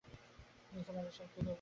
নিসার আলি সাহেব, খেতে বলেছি।